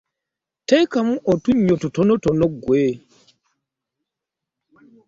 Teekamu otunnyo tutonotono ggwe.